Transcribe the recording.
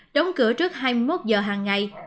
đóng cửa trước hai mươi một h hàng ngày